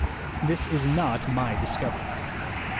This is not my discovery.